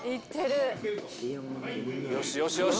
よしよしよし。